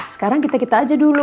sekarang kita kita aja dulu